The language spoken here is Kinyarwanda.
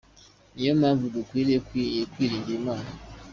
Ni yo mpamvu dukwiriye kwiringira Imana".